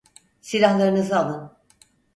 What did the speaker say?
Silahlarınızı alın.